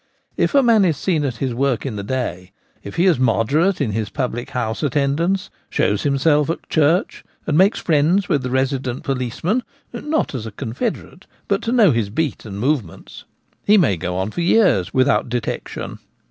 If a man is seen at his work in the day, if he is moderate in his public house attendance, shows himself at church, and makes friends with the resident policeman (not as a confederate, but to know his beat and movements), he may go on for years without detection.